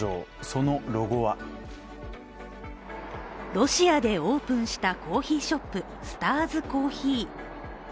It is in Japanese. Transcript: そのロゴはロシアでオープンしたコーヒーショップスターズコーヒー。